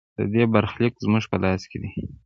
د دې برخلیک زموږ په لاس کې دی